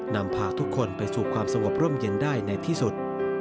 นำพาทุกคนไปสู่ความสงบร่มเย็นได้ในที่สุด